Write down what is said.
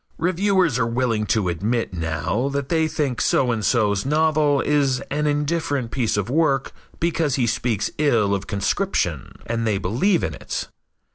Reviewers are willing to admit now that they think so and so's novel is an indifferent piece of work because he speaks ill of conscription and they believe in it.